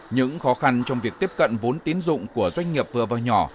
những khó khăn trong việc tiếp cận vốn tín dụng của doanh nghiệp vừa và nhỏ